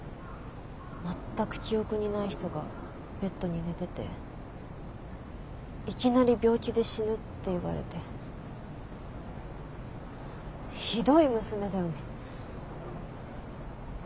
全く記憶にない人がベッドに寝てていきなり病気で死ぬって言われてひどい娘だよね。